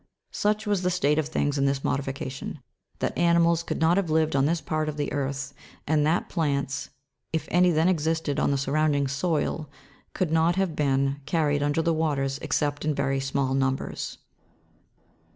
Such was the state of things in this modification, that animals could not have lived on this part of the earth, and that plants, if any then existed on the surrounding soil, could not have been car ried under the waters except in very small numbers.